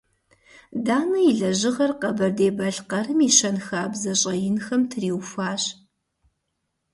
Данэ и лэжьыгъэр Къэбэрдей-Балъкъэрым и щэнхабзэ щӀэинхэм триухуащ.